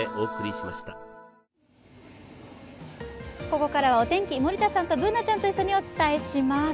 ここからはお天気、森田さんとＢｏｏｎａちゃんと一緒にお伝えします。